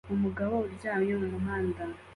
umugabo uryamye mumuhanda